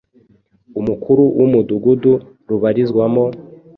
umukuru w’umudugudu rubarizwamo,